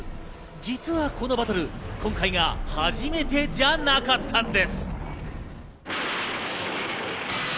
実はこのバトル、今回が初めてじゃなかったんです。